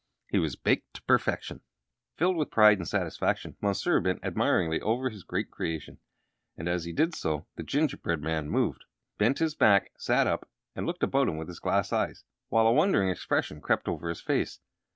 He was baked to perfection! Filled with pride and satisfaction, Monsieur bent admiringly over his great creation; and as he did so, the gingerbread man moved, bent his back, sat up, and looked about him with his glass eyes, while a wondering expression crept over his face.